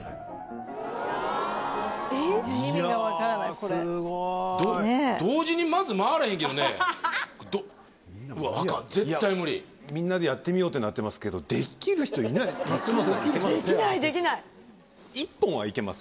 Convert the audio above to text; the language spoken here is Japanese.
これ同時にまず回らへんけどねどあかん絶対無理みんなでやってみようってなってますけどできる人いない松嶋さんできます？